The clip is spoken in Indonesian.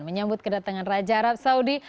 menyambut kedatangan raja arab saudi